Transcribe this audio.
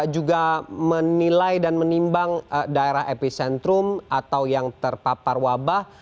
juga menilai dan menimbang daerah epicentrum atau yang terpapar wabah